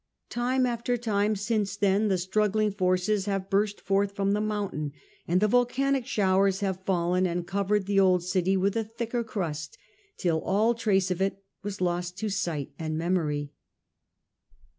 Time after time since then the struggling forces have burst forth from the mountain, and the volcanic showers have tra^ again fallen and covered the old city with a thicker crust, till all trace of it was lost to sight and memory.